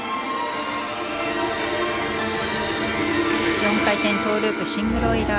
４回転トゥループシングルオイラー。